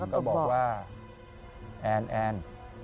ก็บอกว่าแอนแอน